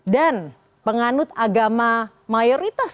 dan penganut agama mayoritas